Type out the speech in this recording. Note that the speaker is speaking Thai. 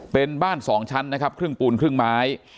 เป็นบ้าน๒ชั้นนะครับครึ่งปูนครึ่งไม้